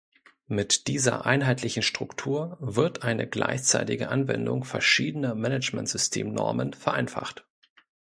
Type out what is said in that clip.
Mit dieser einheitlichen Struktur wird eine gleichzeitige Anwendung verschiedener Managementsystem-Normen vereinfacht.